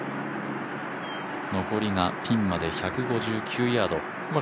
残りがピンまで１５９ヤード。